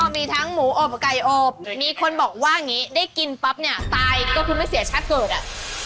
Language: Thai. มีทั้งหมูอบไก่อบมีคนบอกว่าอย่างนี้ได้กินปั๊บเนี่ยตายก็คือไม่เสียชาติเกิดอ่ะ